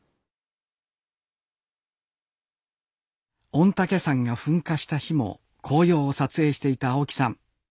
御嶽山が噴火した日も紅葉を撮影していた青木さん。